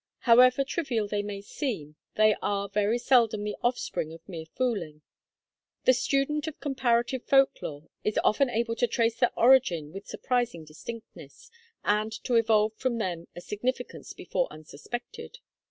However trivial they may seem, they are very seldom the offspring of mere fooling. The student of comparative folk lore is often able to trace their origin with surprising distinctness, and to evolve from them a significance before unsuspected.